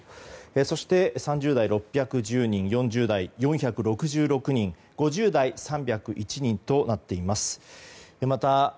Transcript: そして、３０代が６１０人４０代が４６６人６０代３０１人となっています。